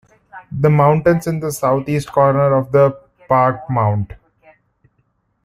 The mountains in the southeast corner of the park-Mt.